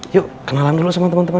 yuk kenalan dulu sama teman teman